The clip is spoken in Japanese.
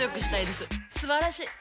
すばらしい！